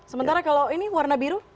sementara kalau ini warna biru